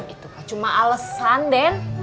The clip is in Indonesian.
itu cuma alesan den